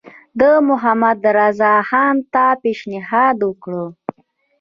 ده محمدرضاخان ته پېشنهاد وکړ.